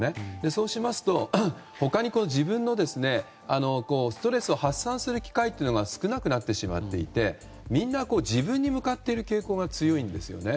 そうしますと他に自分のストレスを発散する機会というのが少なくなってしまっていてみんな自分に向かっている傾向が強いんですよね。